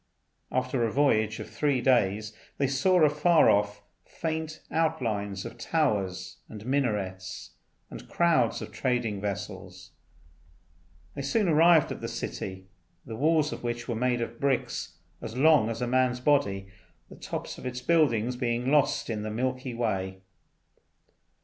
After a voyage of three days they saw afar off faint outlines of towers and minarets, and crowds of trading vessels. They soon arrived at the city, the walls of which were made of bricks as long as a man's body, the tops of its buildings being lost in the Milky Way.